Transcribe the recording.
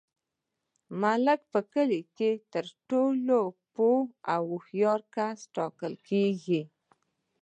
ملک په کلي کي تر ټولو پوه او هوښیار کس ټاکل کیږي.